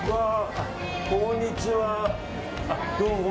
こんにちは。